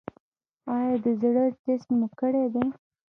ایا د زړه ټسټ مو کړی دی؟